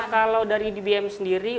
kalau dari dbm sendiri